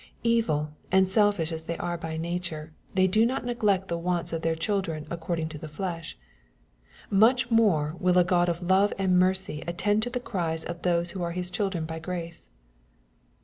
" Evil" and selfish as they are by nature, they do not neglect the wants of their children according to the flesh. Much more will a God of love and mercy attend to the cries of those who are His children by grace.